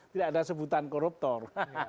tidak ada sebutan koruptor